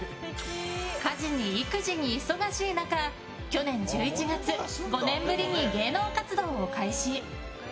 家事に育児に忙しい中去年１１月５年ぶりに芸能活動を開始。